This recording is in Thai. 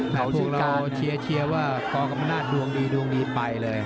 แต่พวกเราเชียวว่ากรกรรมนาฏดวงดีไปเลย